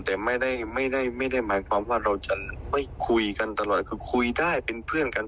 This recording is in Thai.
แต่ไม่ได้ไม่ได้หมายความว่าเราจะไม่คุยกันตลอดคือคุยได้เป็นเพื่อนกัน